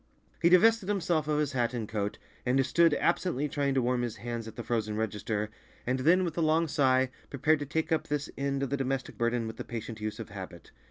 He divested himself of his hat and coat, and stood absently trying to warm his hands at the frozen register, and then with a long sigh, prepared to take up this end of the domestic burden with the patient use of habit.